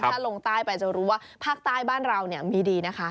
ถ้าลงใต้ไปจะรู้ว่าภาคใต้บ้านเรามีดีนะคะ